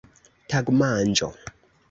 tagmanĝo